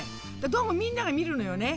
どうもみんなが見るのよね。